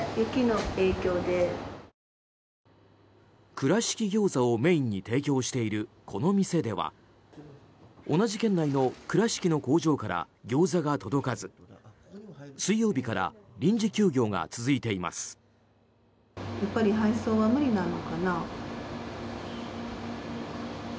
倉敷ぎょうざをメインに提供している、この店では同じ県内の倉敷の工場からギョーザが届かず水曜日から臨時休業が続いています。